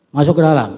masuk ke dalam